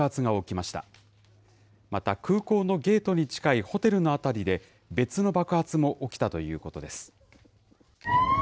また、空港のゲートに近いホテルの辺りで、別の爆発も起きたということです。